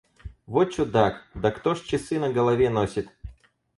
Во чудак! Да кто ж часы на голове носит?